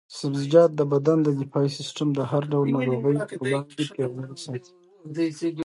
سبزیجات د بدن دفاعي سیسټم د هر ډول ناروغیو پر وړاندې پیاوړی ساتي.